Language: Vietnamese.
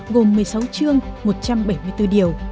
gồm một mươi sáu chương một trăm bảy mươi bốn điều